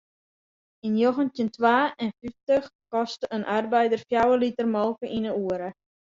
Yn njoggentjin twa en fyftich koste in arbeider fjouwer liter molke yn 'e oere.